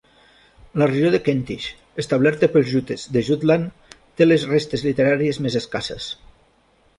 La regió de Kentish, establerta pels Jutes de Jutland, té les restes literàries més escasses.